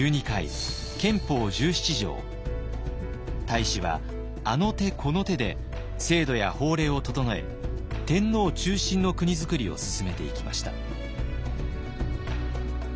太子はあの手この手で制度や法令を整え天皇中心の国づくりを進めていきました。